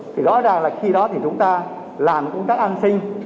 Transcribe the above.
thì rõ ràng là khi đó thì chúng ta làm công tác an sinh